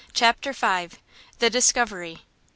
CHAPTER V. THE DISCOVERY.